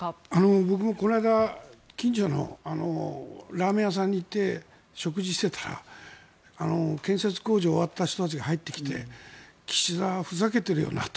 僕もこの間近所のラーメン屋さんに行って食事をしていたら建設工事、終わった人たちが入ってきて岸田はふざけているよなと。